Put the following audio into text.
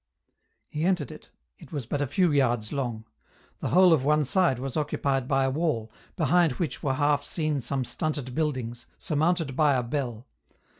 He entered it, it was but a few yards long ; the whole of one side was occupied by a wall, behind which were half seen some stunted buildings, surmounted by a bell.